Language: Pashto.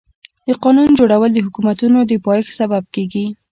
د قانون جوړول د حکومتونو د پايښت سبب کيږي.